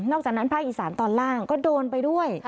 จากนั้นภาคอีสานตอนล่างก็โดนไปด้วย